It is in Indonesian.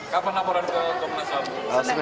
seminan besok ya